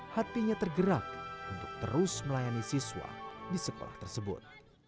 hatinya tergerak untuk terus melayani siswa di sekolah tersebut